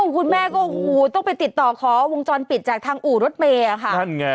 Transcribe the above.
คุณแม่ก็โอ้โหต้องไปติดต่อขอวงจรปิดจากทางอู่รถเมย์ค่ะนั่นไง